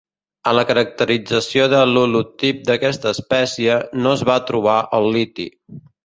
En la caracterització de l'holotip d'aquesta espècie, no es va trobar el liti.